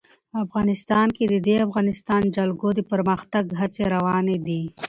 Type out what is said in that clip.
افغانستان کې د د افغانستان جلکو د پرمختګ هڅې روانې دي.